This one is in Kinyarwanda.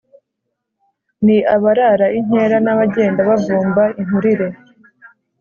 ni abarara inkera, n’abagenda bavumba inturire